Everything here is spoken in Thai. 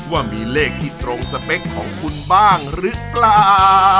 ว่ามีเลขที่ตรงสเปคของคุณบ้างหรือเปล่า